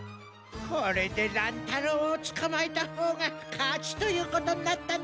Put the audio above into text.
これで乱太郎をつかまえたほうが勝ちということになったな。